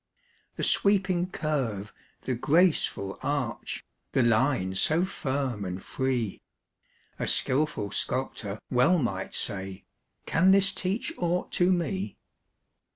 The sweeping curve, the graceful arch, The line so firm and free; A skilful sculptor well might say: "Can this teach aught to me?"